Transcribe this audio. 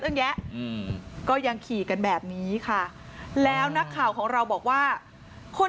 แยะอืมก็ยังขี่กันแบบนี้ค่ะแล้วนักข่าวของเราบอกว่าคน